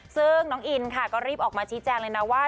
ซึ่งน้องอินค่ะก็รีบออกมาชี้แจงเลยนะว่า